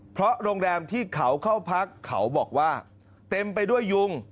เพราะโรงแรมที่เขาเข้าพักเขาบอกว่าเต็มไปด้วยยุง